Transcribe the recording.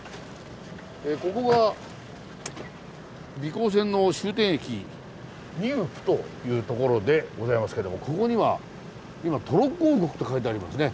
ここが美幸線の終点駅仁宇布という所でございますけどもここには今「トロッコ王国」と書いてありますね。